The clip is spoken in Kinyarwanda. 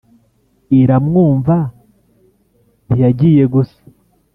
iramwumva ntiyagiye gusa